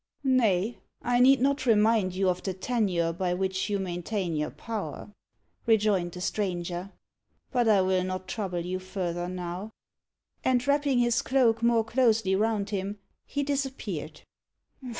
"Nay, I need not remind you of the tenure by which you maintain your power," rejoined the stranger. "But I will not trouble you further now." And, wrapping his cloak more closely round him, he disappeared.